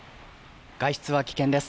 外出は危険です。